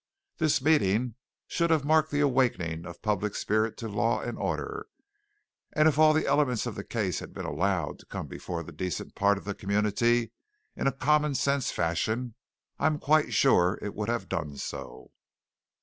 This meeting should have marked the awakening of public spirit to law and order; and if all the elements of the case had been allowed to come before the decent part of the community in a common sense fashion, I am quite sure it would have done so.